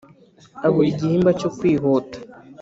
abura igihimba cyo kwihuta